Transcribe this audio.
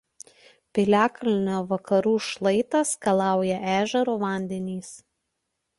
Piliakalnio vakarų šlaitą skalauja ežero vandenys.